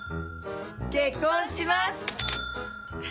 結婚します。